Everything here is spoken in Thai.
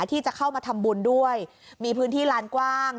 ที่จะเข้ามาทำบุญด้วยมีพื้นที่ลานกว้าง